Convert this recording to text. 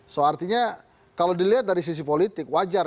so artinya kalau dilihat dari sisi politik wajar